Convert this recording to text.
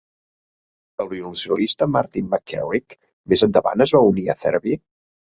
El violoncel·lista, Martin McCarrick, més endavant es va unir a Therapy?